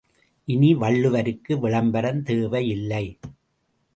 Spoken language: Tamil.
இனி வள்ளுவருக்கு விளம்பரம் தேவையில்லை.